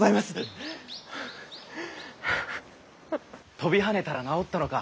・跳びはねたら治ったのか。